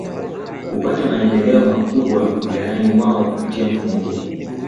Kupata maendeleo makubwa Wilayani mwao kupitia mfumo huu